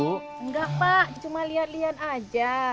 enggak pak cuma lihat lihat aja